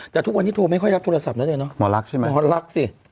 แต่ทุกวันนี้โทรไม่ค่อยรับโทรศัพท์แล้วเนี่ยเนอะหมอรักใช่ไหมหมอรักสิ